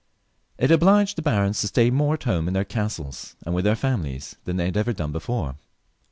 It obliged the barons to stay more at home in their castles and with their families than they had ever done before.